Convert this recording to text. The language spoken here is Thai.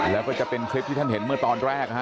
แล้วก็จะเป็นคลิปที่ท่านเห็นเมื่อตอนแรกนะฮะ